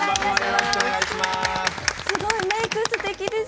すごい、メークすてきです。